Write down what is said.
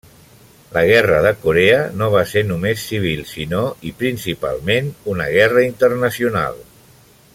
La Guerra de Corea no va ser només civil, sinó, i principalment, una guerra internacional.